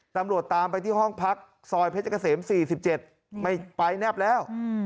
ตามไปที่ห้องพักซอยเพชรเกษม๔๗ไม่ไปแนบแล้ว